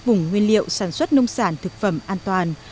vùng nguyên liệu sản xuất nông sản thực phẩm an toàn